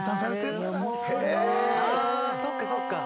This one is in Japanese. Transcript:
あそっかそっか。